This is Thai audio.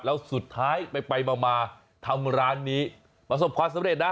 แล้วสุดท้ายไปมาทำร้านนี้ประสบความสำเร็จนะ